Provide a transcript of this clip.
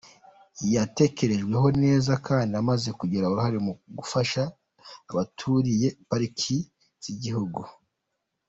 Yatekerejweho neza kandi imaze kugira uruhare mu gufasha abaturiye pariki z’igihugu.